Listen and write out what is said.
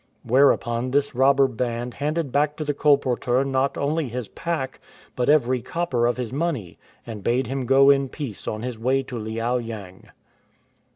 Whereupon this robber band handed back to the colporteur not only his pack, but every copper of his money, and bade him go in peace on his way to Liao yang.